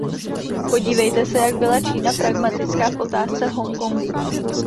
Podívejte se, jak byla Čína pragmatická v otázce Hongkongu.